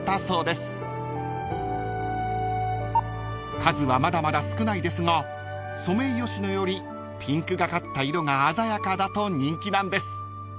［数はまだまだ少ないですがソメイヨシノよりピンクがかった色が鮮やかだと人気なんです］